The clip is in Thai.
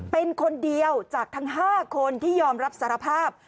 เป็นคนเดียวจากทั้ง๕คนที่ยอมรับสารภาพ